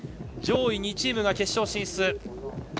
上位２チームが決勝進出。